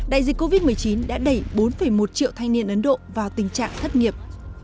đại dịch covid một mươi chín đã đẩy bốn một triệu thanh niên ấn độ vào tình trạng thất nghiệp